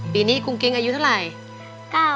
ปีนี้กุ้งกิ๊งอายุเท่าไหร่